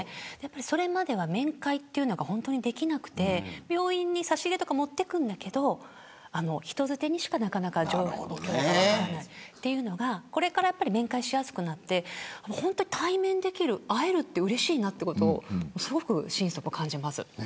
それまでは面会ができなくて病院に差し入れとか持って行くんだけど人づてにしかなかなかというのが、これから面会しやすくなって対面できる会えるってうれしいなということを心底感じます。